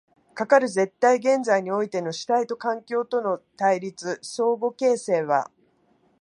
かかる絶対現在においての主体と環境との対立、相互形成は